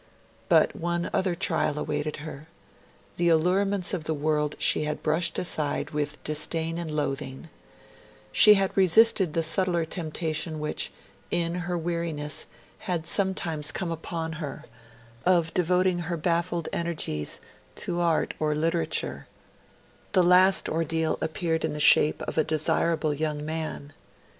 But one other trial awaited her. The allurements of the world she had brushed aside with disdain and loathing; she had resisted the subtler temptation which, in her weariness, had sometimes come upon her, of devoting her baffled energies to art or literature; the last ordeal appeared in the shape of a desirable young man.